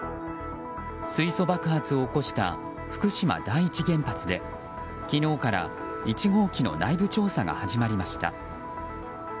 水素爆発を起こした福島第一原発で昨日から１号機の内部調査が始まりました。